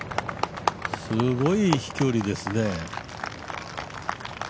すごい飛距離ですね。